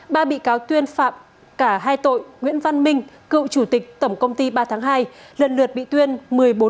ba bị cáo tuyên phạm cả hai tội nguyễn văn minh cựu chủ tịch tổng công ty ba tháng hai lần lượt bị tuyên